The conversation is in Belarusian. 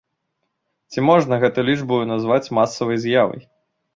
Ці можна гэту лічбую назваць масавай з'явай?